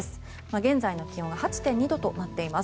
現在の気温が８．２度となっています。